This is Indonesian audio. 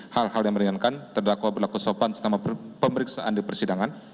hal hal yang meringankan terdakwa berlaku sopan selama pemeriksaan di persidangan